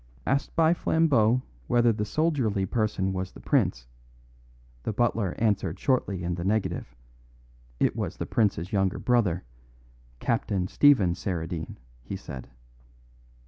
Asked by Flambeau whether the soldierly person was the prince, the butler answered shortly in the negative; it was the prince's younger brother, Captain Stephen Saradine, he said.